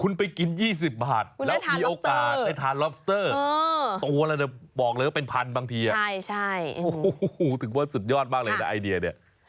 คุณไปกิน๒๐บาทแล้วมีโอกาสได้ทานล็อบสเตอร์ตัวละบอกเลยว่าเป็นพันบางทีถือว่าสุดยอดมากเลยนะไอเดียเนี่ย